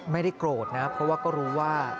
ไม่ได้โกรธนะเพราะว่าก็รู้ว่า